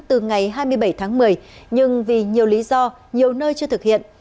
từ ngày hai mươi bảy tháng một mươi nhưng vì nhiều lý do nhiều nơi chưa thực hiện